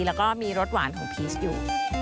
แล้วก็มีรสหวานของพีชอยู่